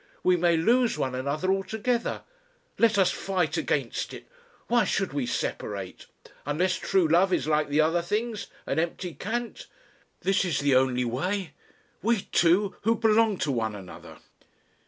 We may lose one another altogether.... Let us fight against it. Why should we separate? Unless True Love is like the other things an empty cant. This is the only way. We two who belong to one another."